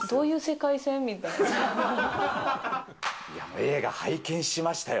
映画拝見しましたよ。